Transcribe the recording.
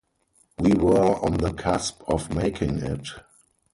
We were on the cusp of making it.